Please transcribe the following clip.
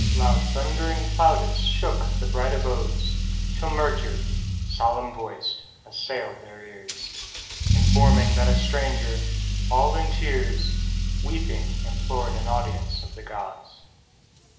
85 Loud thund'ring plaudits shook the bright abodes, Till Mercury, solemn voic'd, assail'd their ears, Informing, that a stranger, all in tears, Weeping, implor'd an audience of the gods.